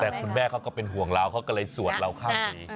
แต่คุณแม่เขาก็เป็นห่วงเราเขาก็เลยสวดเราข้ามปี